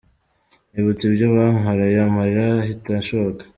Nibutse ibyo bankoreye amarira ahita ashoka.